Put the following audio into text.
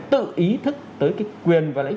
tự ý thức tới cái quyền và lấy